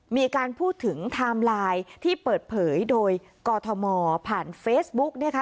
มีการพูดถึงไทม์ไลน์ที่เปิดเผยโดยกอทมผ่านเฟซบุ๊กนะคะ